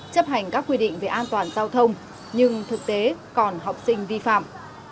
chấp hành các quy định về an toàn giao thông nhưng thực tế còn học sinh vi phạm